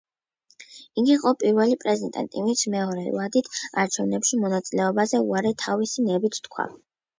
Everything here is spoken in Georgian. იგი იყო პირველი პრეზიდენტი, ვინც მეორე ვადით არჩევნებში მონაწილეობაზე უარი თავისი ნებით თქვა.